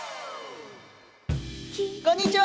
こんにちは。